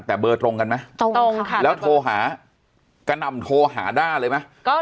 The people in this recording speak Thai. แต่เบอร์ตรงกันไหมแล้วโทรหากะนำโทรหาด้าเลยไหมตรงค่ะ